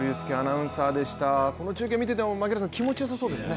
この中継見ていても槙原さん、気持ちよさそうですね。